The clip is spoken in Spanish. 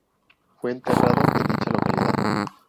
Fue enterrado en dicha localidad.